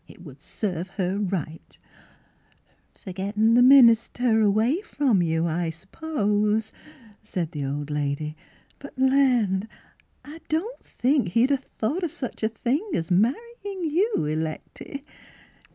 " It would serve her right," " Fer gettin' the minister away from you, I s'pose," said the old lady. " But land ! I don't think he'd a thought o' such a thing as marryin' you, Lecty."